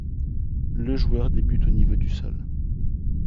Le joueur débute au niveau du sol.